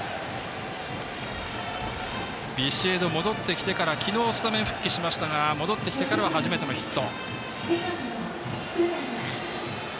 ビシエド、戻ってきてから昨日スタメン復帰しましたが戻ってきてからは初めてのヒット。